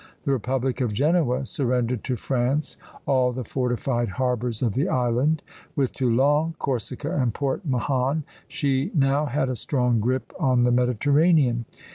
The republic of Genoa surrendered to France all the fortified harbors of the island. With Toulon, Corsica, and Port Mahon, she now had a strong grip on the Mediterranean.